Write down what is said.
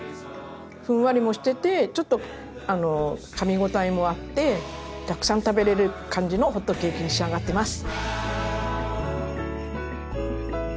ふんわりもしててちょっとかみ応えもあってたくさん食べれる感じのホットケーキに仕上がってます。